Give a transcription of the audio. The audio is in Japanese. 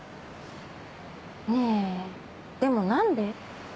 ねぇでもなんで？